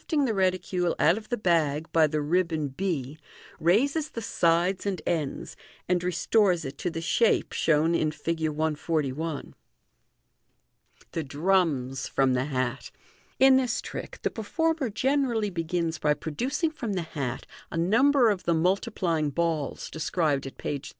142. Fig. 143. Fig. 144. Fig. 145. the reticule out of the bag by the ribbon b raises the sides and ends, and restores it to the shape shown in Fig. 141. The Drums from the Hat. — In this trick the performer gene rally begins by producing from the hat a number of the multiplying balls described at page 307.